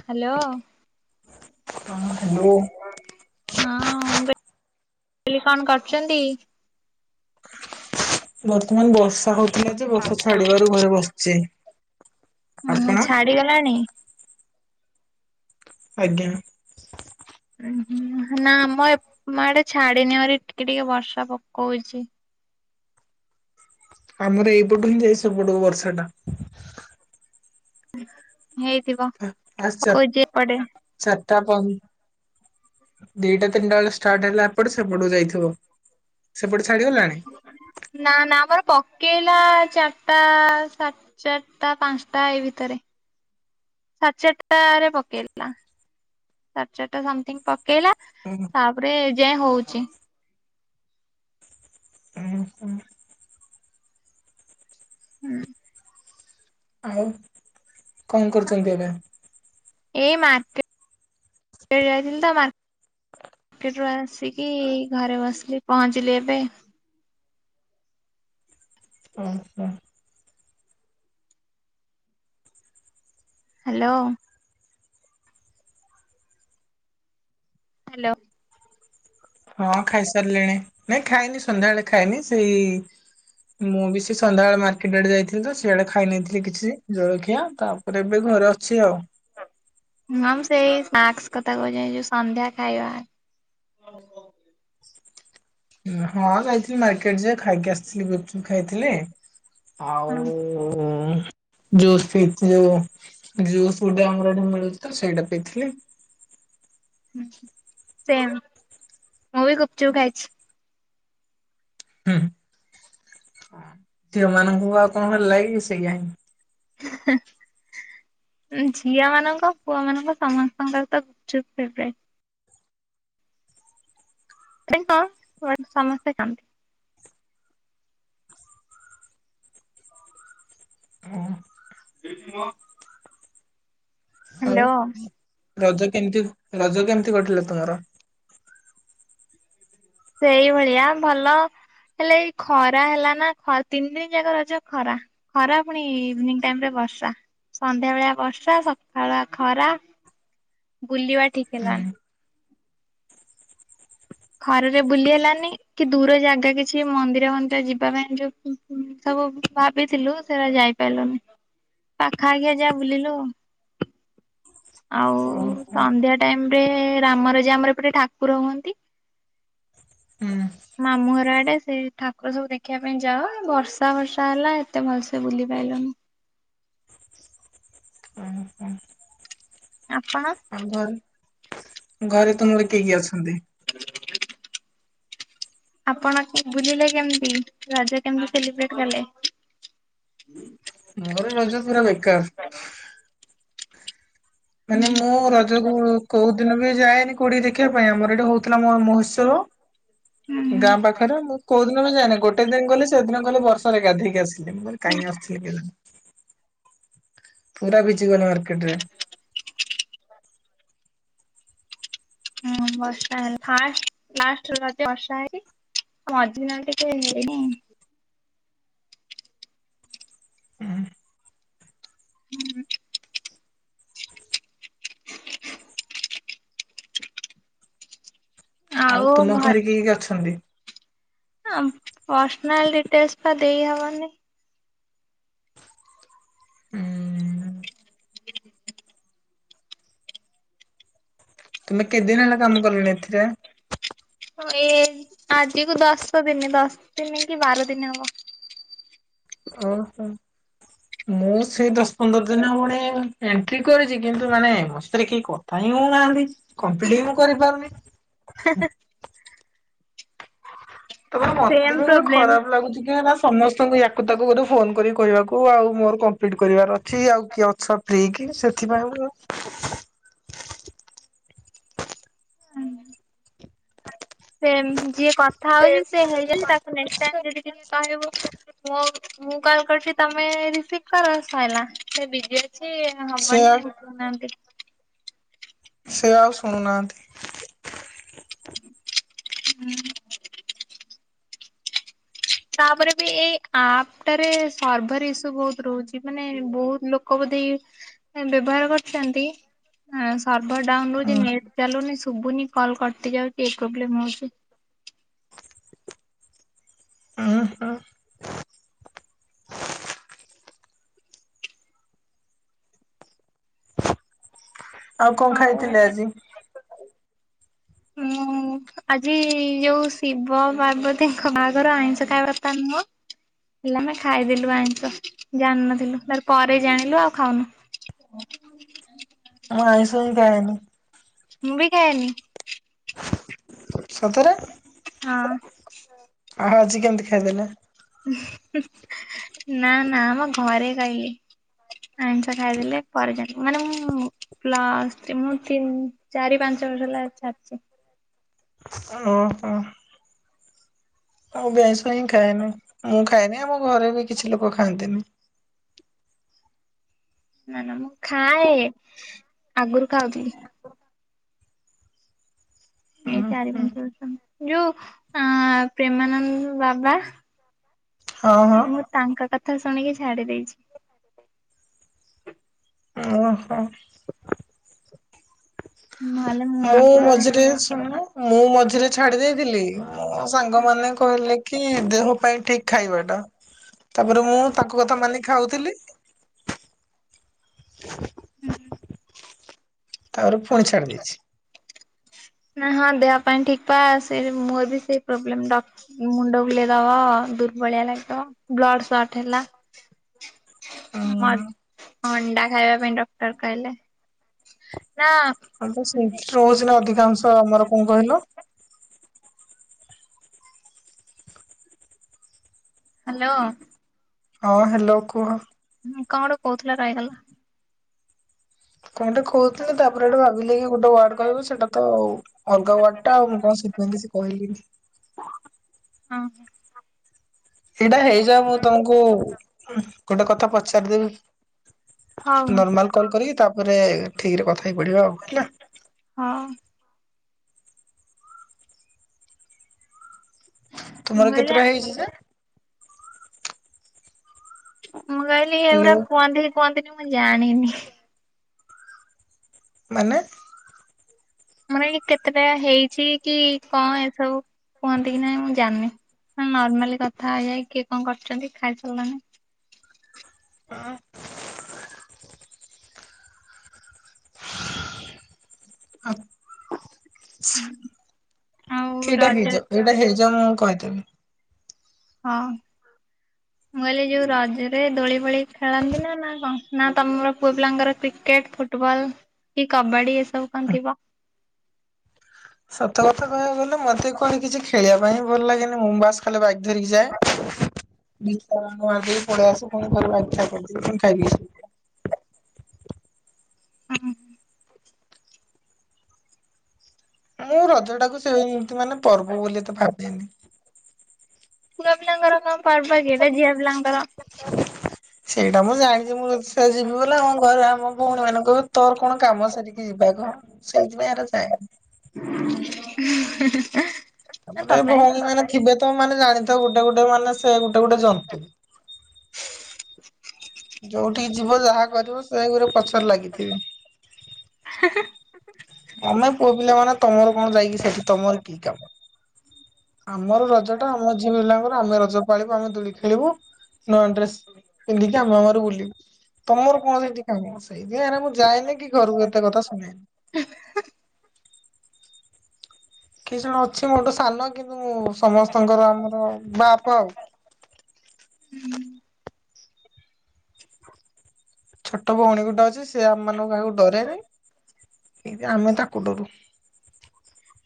Hello. ହଁ hello ହଁ କଣ କରୁଛନ୍ତି। ବହୁତ ବର୍ତ୍ତମାନ ବର୍ଷା ହଉଥିଲା ଯେ ବର୍ଷା ଛାଡିବାରୁ ଘରେ ବସିଛି ଓହୋ ଆପଣ। ଛାଡିଗଲାଣି? ଆଜ୍ଞା। ଉଁ ନା ଆମ ଏ ମା ଆଡେ ଛାଡିନି ମରି ଟିକେ ଟିକେ ବର୍ଷା ପକଉଛି। ଆମର ଏଇପଟୁ ହିଁ ଯାଇ ସପଟକୁ ବର୍ଷା ଟା। [inaudible] ହେଇଥିବ ଯ ପଡେ ତାପଣ ଦଟ ତିନ ଟା ବେଳେ ଷ୍ଟାର୍ଟ ହେଲା ଏପଟେ ସେପଟକୁ ଯାଇଥି ଥିବ ସେପଟେ। ଛାଡିଗଲାଣି? ନା ନା ଆମର ପ ପକେଇଲା ଚାରିଟା ସାତ ଚାରଟା ପାଞ୍ଚଟା ଏଇ ଭିତରେ ସାଢ ଚାରଟାରେ ପକେଇଲା ସାଢ ଚାରିଟା ସୋମଥିଙ୍ଗ ପ ପକେଇଲା ହୁଁ ତାପରେ। ଏଯାଏଁ ହଉଛି। ହଁ ହଁ। ହୁଁ। ଆଉ। କଣ କରୁଛନ୍ତି ଏବେ। ଏଇ ମାର୍କେଟ ଯାଇଥିଲି ତ ମାର କେଟ ରୁ ଆସିକି ଘରେ ବସିଲି ପହଞ୍ଚିଲି ଏବେ। ଓହୋ ହାଲୋ। ହାଲୋ। ହଁ ଖାଇସାରିଲିଣି ନାଇଁ ଖାଇନି ସନ୍ଧ୍ୟା ବେଳେ ଖାଇନି ସେଇ ମୁଁ ବି ସେ ସନ୍ଧ୍ୟା ବେଳେ ମାର୍କେଟ ଆଡେ ଯାଇଥିଲି ତ ସିଆଡେ ଖାଇ ନେଇଥିଲି କିଛି ଜଳଖିଆ ତାପରେ ଏବେ ଘରେ ଅଛି ଆଉ। ହଁ ମୁ ସେଇ ସ୍ନାକ୍ କଥା କହୁଛି ଏଇ ଯୋଉ ସନ୍ଧ୍ୟା ଖାଇବା। ହଁ ଯାଇଥିଲି ମାର୍କେଟ ଯେ ଖାଇକି ଆସିଥିଲି ଗୁପଚୁପ ଖାଇଥିଲି। ହଁ ଆଉ। ଜୁସ୍ ପିଥି ଯୋଉ ଜୁସ୍ ଗୋଟେ ଆମର ଏଠି ମିଳୁଚି ତ ସେଇଟା ପିଇଥିଲି। ହଁ ସେମ ମୁଁ ବି ଗୁପଚୁପ ଖାଇଛି। ହୁଁ ଝିଅ ମାନଙ୍କୁ ଆଉ କଣ ଭଲ ଲାଗିବ ସେଇଆ ହିଁ। ଝିଅ ମାନଙ୍କ ପୁଅ ମାନଙ୍କ ସମସ୍ତଙ୍କର ତ ଗୁପଚୁପ ଫେବରେଟ। ତେ କ ସମସ୍ତେ କାମ। [unintelligible] ହଁ। ହେଇଚି ମ। ଆଉ ହାଲୋ। ରଜ କେମିତି। ରଜ କେମିତି କଟିଲା ତମର। ସେଇଭଳିଆ ଭଲ ହେଲେ ଏଇ ଖରା ହେଲା ନା ତିନି ଦିନ ଯାକ ରଜ ଖରା ଖରା ପୁଣି ଇଭିନିଙ୍ଗ ଟାଇମ ରେ ବର୍ଷା ସନ୍ଧ୍ୟା ବେଳିଆ ବର୍ଷା ସକାଳୁଆ ଖରା ବୁଲିବା ଠିକ ହୁଁ ହେଲାନି। ଖରାରେ ବୁଲି ହେଲାନି କି ଦୂର ଜାଗା କିଛି ମନ୍ଦିର ମନ୍ଦିର ଯିବା ପାଇଁ ଯୋଉ ଉ ସବୁ ଭାବିଥିଲୁ ସେଟା ଯାଇପାରିଲୁନି ପାଖ ଆଖିଆ ଯା ବୁଲିଲୁ ଆଉ ଆଉ ଓହୋ ହୁଁ ସନ୍ଧ୍ୟା ଟାଇମ ରେ ରାମ ରଜା ଆମର ଏପଟେ ଠାକୁର ହୁଅନ୍ତି। ମାମୁଁ ଘର ଆଡେ ସେ ଠାକୁର ସବୁ ଦେଖିବା ପାଇଁ ଯାଅ ବର୍ଷା ବର୍ଷା ହେଲା ଏତେ ଭଲସେ ବୁଲି ପାଇଲୁନୁ। ହଁ ହଁ। ଆପଣ। ଘରେ ତୁମର କିଏ କିଏ ଅଛନ୍ତି। ଆପଣ ବୁଲିଲେ କେମିତି ରଜ କେମିତି ସେଲିବ୍ରେଟ କଲେ। ମୋର ରଜ ପୁରା ବେକାର। ମାନେ ହୁଁ ମୁଁ ରଜକୁ କୋଉ ଦିନ ବି ଯାଏନି। କଉଠି କି ଦେଖିବା ପାଇଁ ଆମର ଏଇଟା ହଉଥିଲା ମୋ ମହୋତ୍ସବ। ହୁଁ ଗାଁ ପାଖରେ ମୁଁ କୋଉ ଦିନ ବି ଯାଇନି ଗୋଟେ ଦିନ ଗଲେ ସେଦିନ। ଗଲ ବର୍ଷରେ ଗାଧୋଇକି ଆସି। ନାଁ ମୁଁ କାହିଲି କାଇଁ ଆସୁଥିଲେ କେଜାଣି। ପୁରା ଭିଜି ଗଲି ମାର୍କେଟେ ରେ। ହୁଁ ବର୍ଷା ହେଲା ଫାଷ୍ଟ ଲାଷ୍ଟ ରଜରେ ବର୍ଷା ହେଇଚି ଆମଝଦିନ ଟିକେ [inaudible] ହୁଁ। ଆଉ ତୁମ ଘରେ କି କି ଅଛନ୍ତି? ପର୍ସନାଲ ଡିଟେଲ୍ସ ବା ଦେଇହବନି। ହୁଁ। [inaudible] ତୁମେ କେତେଦିନ ହେଲା କାମ କଲଣି ଏଥିରେ? ଏଇ ଆଜିକୁ ଦଶ ଦିନ ଦଶ ଦିନ କି ବାର ଦିନ ହବ। ଓହୋ ମୁଁ ସେ ଦଶ ପନ୍ଦର ଦିନ ଭଣି ଏଣ୍ଟ୍ରି କରିଛି କିନ୍ତୁ ମାନେ ମୋ ସେଥିରେ କେହି କଥା ହିଁ ହଉନାହାନ୍ତି କମ୍ପିଟ ହଁ ମୁଁ କରିପାରୁନି। [inaudible] ତାପରେ ମତେ ସେମ ବି ଗୋଟେ ପ୍ରୋବ୍ଲେମ। ଖରାପ ଲାଗୁଛି କି ହେରା ସମସ୍ତଙ୍କୁ ୟାକୁ ତାକୁ କର ଫୋନ କର କହିବାକୁ ଆଉ ମୋର କମ୍ପ୍ଲିଟ କରିବାର ଅଛି ଆଉ କିଏ ଅଛ ଫ୍ରି କି ସେଥିପାଇଁ ସେ ଯିଏ କଥା ହଉଛି ସେ ହେଇଛନ୍ତି ତାକୁା ନେଷ୍ଟେ ଟାଇମ୍ ଯଦି କିଛି କହିବୁ ମୋ ମୁଁ କଲ୍ କରିୁଛି ତମେ ରିସିଭ କର ସଇଲା ସେ ବି ବିଜି ଅଛି ସେୟା ହବନି କହୁନାହାନ୍ତି। ସେ ଆଉ ଶୁଣୁନାହାନ୍ତି। ହୁଁ। ତାପରେ ବି ଏଇ ଆପଟାରେ ସର୍ଭର ଇସ୍ୟୁ ବହୁତ ରହୁଛି ମାନେ ବହୁତ ଲୋକ ବୋଧେଇ ବ୍ୟବହାର କରିଚନ୍ତି ଇ ସର୍ଭର ଡାଉନଉଛି ଉଁ ନେଟ ଚାଲୁନି ସ ଶୁଭୁନି କଲ୍ କଟି ଯାଉଚି ଏ ପ୍ରୋବ୍ଲେମ ହଉଚି। ଓ ହୋ। ଆଉ କଣ ଖାଇଥିଲେ ହଉ। ଆଜି? ମୁଁ ଆଜି ଯୋଉ ଶିବ ପାର୍ବତୀଙ୍କ ବାହାଘର ଆଇଁଷ ଖାଇବାକଥା ନୁହଁ ହେଲେ ଆମେ ଖାଇଦେଲୁ ଆଇଁଷ ଜାଣିନଥିଲୁ ତାର ପରେ ଜାଣିଲୁ ଆଉ ଖାଉନୁ। ଆଉ ଆଇଁଷ ହି ଖାଏନି। ମୁଁ ବି ଖାଇନି। ସତରେ। ହଁ। ଆ ଆଜି କେମିତି ଖାଇଦେଲେ। ନା ନା ଆମ ଘରେ କାଇଲେ। ଆଂଷ ଖାଇଦେଲେ ପରେ ଯାଣି ମାନେ ମୁଁ ପ୍ଲସ୍ ତିନି ଚାରି ପାଞ୍ଚ ବର୍ଷ ହେଲା ଛାଡିଚି। ଓ ହୋ। ଆଉ ଅଭ୍ୟାସ ନାହିଁ ଖାଏନି ମୁଁ ଖାଏନି ଆମ ଘରେ ବି କିଛି ଲୋକ ଖାଆନ୍ତିନି। ନା ନା ମୁଁ ଖାଏ ଆଗରୁ ଖାଉଥିଲି। ଉଁ ଏଇ ଚାରି ହୁଁ ପାଞ୍ଚ ବର୍ଷ ଯୋଉ ଆ ପ୍ରେମାନନ୍ଦ ବାବା। ହଁ ହଁ। ମୁଁ ତାଙ୍କ କଥା କଥା ଶୁଣିକି ଛାଡି ଦେଇଛି। ଓହ। ହୁଁ। ମୁଁ ମଝିରେ ଶୁଣ ମୁଁ ମଝିରେ ଛାଡି ଦେଇେଇଥିଲି ମୋ ସାଙ୍ଗ ମାନ କହିଲେ କି ଦେହ ପାଇଁ ଠିକ ଖାଇବାଟା ତାପରେ ମୁଁ ତାକୁ କଥା ମାନି ଖାଉଥିଲି। [inaudible] ହୁଁ ହ। ତାପରେ ପୁଣି ଛାଡି ଦେଇଛି। ନା ହଁ ଦେହ ପାଇଁ ଠିକ ପା ସେ ମୋର ବି ସେଇ ପ୍ରୋବ୍ଲେମ ଡକ ମୁଣ୍ଡ ବୁଲେଇ ଦବ ଦୁର୍ବଳିଆ ଲାଗ ବ୍ଲଡ ସଟ ହେଲା। ଉଁ ଅ ଅଣ୍ଡା ଖାଇବା ପାଇଁ ଡକ୍ଟର କହିଲେ। ନା କଣ ତ ସେଇଠି ରହୁଛି ନା ଅଧିକାଂଶ ଆମର। କଣ କହିଲୁ। ହାଲୋ। ହଁ ହାଲୋ କୁହ। କଣ ଗୋ କହୁଥିଲା ରହିଗଲା। କଣଟେ କହୁଥିଲି ତାପରେ ଗୋଟେ ଭାବିଲି କି ଗୋଟେ ୱାର୍ଡ କହିବି ସେଟା ତ ଅଲଗା ୱାର୍ଡ ଟା ଆଉ ମୁଁ କଣ ସେଥିପାଇଁ କିଛି କହିଲିନି। ହଁ ହଁ। ଏଇଟା ହେଇଯାଉ ମୁଁ ତମକୁ। ଗୋଟେ କଥା ପଚାରିଦେବି ହଉ ନର୍ମାଲ କଲ୍ କରିକି ତା ରେ ଠିକ ରେ କଥା ହେଇ ପଡିବା ଆଉ ହେଲା। ହଉ ମୁଁ ତୁମର କହିଲି କେତେଟା ହେଇଛି ଯେ। ମୁଁ କହିଲି ଏଇଗୁରା ହ୍ୟାଲୋ କୁହନ୍ତି କୁହନ୍ତି। ମୁଁ ଜାଣିନି। ମାନେ। ମାନେ କେତେଟା ହେଇଛି। କି କଣ ଏସବୁ। କୁହନ୍ତି କି ନାଇଁ ମୁଁ ଜାଣନି। ନର୍ମାଲି କଥ ଥା ହେଇ ହେଇ କିଏ କଣ କରୁଛନ୍ତି ଖାଇସାରଲଣି। ହଁ। ଆଉ। ଆଉ ଏଇଟା ରଜରେ ହେଇଯାଉ ଏଇଟା ହେ ଜ ମୁଁ କହିଦେବି। ହଁ ମୁଁ କହିଲି ଯୋଉ ରଜରେ ଦୋଳି ଫୋଳି ଖେଳନ୍ତି ନା ନା କ ନା ତମର ପୁଅ ପିଲାଙ୍କର କ୍ରିକେଟ ଫୁଟବଲ କି କବାଡି ଏସବୁ କଣ ଥିବ। ସତ କଥା କହିବାକୁ ଗଲେ ମତେ କଣ କିଛି ଖେଳିବା ପାଇଁ ଭଲ ଲାଗେନି ମୁଁ ବାସ ଖାଲି ବାଇକ ଧରିକି ଯାଏ [unintelligible] ପଳେଇଆସେ ପୁଣି ଘରୁ ବାହାରିକି ଖାଇ ପିକି ପୁଣି ଖାଇ ପିକି। ହୁଁ ହୁଁ। ମୁଁ ରଜଟାକୁ ସେ ଏମତି ମାନେ ପର୍ବ ବୋଲି ତ ଭାବେନି। ପୁଅ ପିଲାଙ୍କର କଣ ପର୍ବ କି ଏଇଟା ଝିଅ ପିଲାଙ୍କର ସେଇଟା ମୁଁ ଜାଣିଛି ମୁଁ ନିଶ୍ଚୟ ଯିବି ବୋଲେ ହଁ ଘରେ ଆ ଆମ ଭଉଣୀ ମାନଙ୍କୁ। ତୋର କଣ କାମ ସାରି ଯିବା କଣ ସେଇଥିପାଇଁ ଏରା ଯାଏନି। [inaudible] ନାଇଁ ଭଉଣୀ ମାନେ ତଥାପି ଥିବେ ତ। ମାନେ ଜାଣିଥାଉ ଗୋଟେ ଗୋଟେ ମାନେ ସେ ଗୋଟେ ଗୋଟେ ଜନ୍ତୁ। [inaudible] ଯୋଉଠିକି ଯିବ ଯାହା କରିବ ସେ ଘରେ ପଛରେ ଲାଗିଥିବେ। ତମେ ପୁଅ ପିଲା ମାନେ ତମର କଣ ଯାଇକି ସେଠି ତମର କି କାମ? ଆମର ରଜ ଟା ଆମ ଝିଅ ପିଲାଙ୍କର ଆମେ ରଜ ପାଳିବୁ, ଆମେ ଦୋଳି ଖେଳିବୁ ନୂଆ ଡ୍ରେସ୍ ପିନ୍ଧିକି ଆମେ ଆମର ବୁଲିବୁ। ତମର କଣ ସେଇଠି କାମ? ସେଇଥିପାଇଁ ମୁଁ ହେଇରା ଯାଏନି କି ଘରକୁ ଏତେ କଥା ଶୁଣେନି। କିଛି ଜଣ ଅଛି, ମୋ ଗୋଟେ ସାନ କିନ୍ତୁ ମୁଁ ସମସ୍ତଙ୍କର ଆମର ବାପ ଆଉ। ଛୋଟ ଭଉଣୀ ଗୋଟେ ଅଛି, ସେ ଆମମାନଙ୍କ କାହାକୁ ଡରେନି, ଆମେ ତାକୁ ଡରୁ।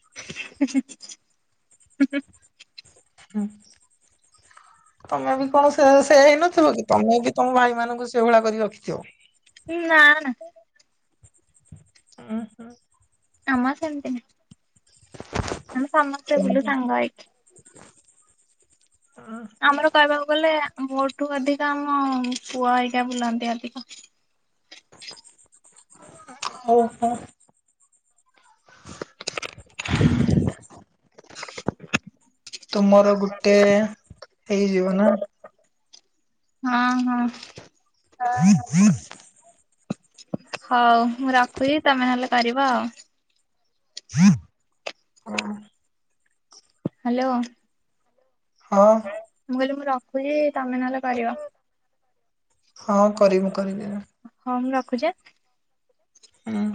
[inaudible] ହୁଁ ତମେ ବି କଣ ସେ ସେୟା ହେଇନଥିବ କି? ତମେ ବି ତମ ଭାଇ ମାନଙ୍କୁ ସେଇଭଳିଆ କରି ରଖିଥିବ। ଉଁ ନାଁ ନାଁ। ଓହୋ। ଜମା ସେମିତି ନୁହେଁ। ଆମେ ସମସ୍ତେ ବୁଲୁ ସେମିତି ଉଁ ସାଙ୍ଗ ହେଇକି। ହୁଁ ଆମର କହିବାକୁ ଗଲେ ମୋଠୁ ଅଧିକା ଆମ ପୁଅ ହେଇକା ବୁଲନ୍ତି ଅଧିକ। ଓହୋ। ହଁ ତୁମର ଗୋଟେ ହେଇଯିବ ନା? ହଁ ହଁ। ହଉ। ମୁଁ ରଖୁଚି ତମେ ହେଲେ କରିବ । ୱାଓ। [inaudible] ହାଲୋ। ହଁ। ମୁଁ କହିଲି ମୁଁ ରଖୁଚି ତମେ ନହେଲେ କରିବ । ହଁ କରିବି କରିିବି । ହଁ ମୁଁ ରଖୁଚି ଆଁ। ହୁଁ।